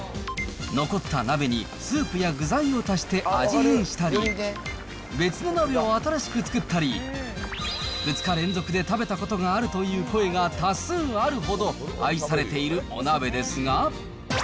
残った鍋にスープや具材を足して味変したり、別の鍋を新しく作ったり、２日連続で食べたことがあるという声が多数あるほど愛されているお鍋ですが。